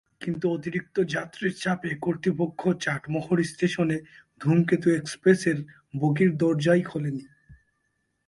কিন্তু অতিরিক্ত যাত্রীর চাপে কর্তৃপক্ষ চাটমোহর স্টেশনে ধূমকেতু এক্সপ্রেসের বগির দরজাই খোলেনি।